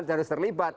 semua harus terlibat